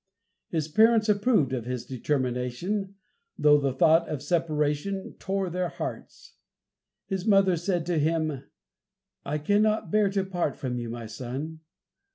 His parents approved of his determination, though the thought of separation tore their hearts. His mother said to him, "I cannot bear to part from you, my son."